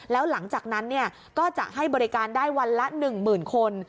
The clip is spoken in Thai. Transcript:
แล้วหลังจากนั้นก็จะให้บริการได้วันละ๑๐๐๐คน